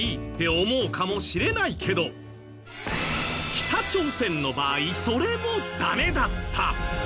北朝鮮の場合それもダメだった。